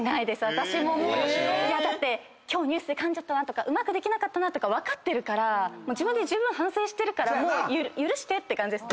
私もだって今日ニュースでかんじゃったなとかうまくできなかったなとか分かってるから反省してるからもう許してって感じです。